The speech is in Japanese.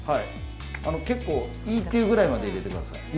いいって言うくらいまで入れてください。